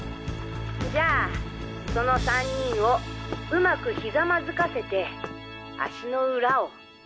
じゃあその３人をうまく跪かせて足の裏を。